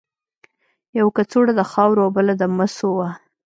یوه کڅوړه د خاورو او بله د مسو وه.